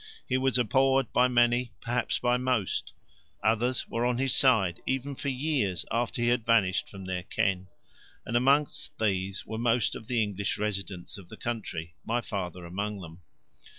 He was abhorred by many, perhaps by most; others were on his side even for years after he had vanished from their ken, and among these were most of the English residents of the country, my father among them.